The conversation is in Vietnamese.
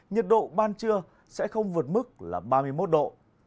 nhiệt độ ban trưa sẽ không vượt mức là ba mươi một độ